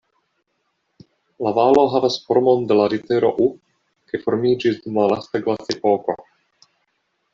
La valo havas formon de la litero "U" kaj formiĝis dum la lasta glaciepoko.